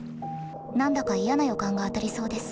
何だか嫌な予感が当たりそうです。